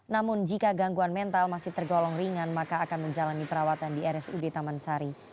namun jika gangguan mental masih tergolong ringan maka akan menjalani perawatan di rsud taman sari